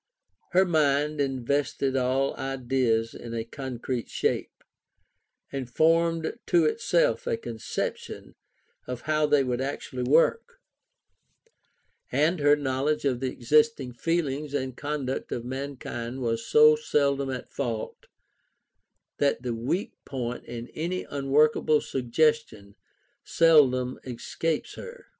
Her mind invested all ideas in a concrete shape, and formed to itself a conception of how they would actually work: and her knowledge of the existing feelings and conduct of mankind was so seldom at fault, that the weak point in any unworkable suggestion seldom escapes her.